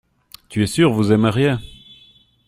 Tu es sûr vous aimeriez.